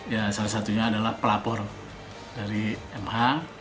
ya salah satunya adalah pelapor dari ma